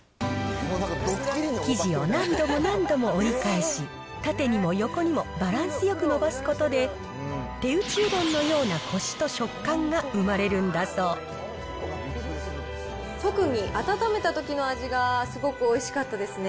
生地を何度も何度も折り返し、縦にも横にもバランスよく延ばすことで、手打ちうどんのようなこしと食感が生まれるんだそ特に温めたときの味がすごくおいしかったですね。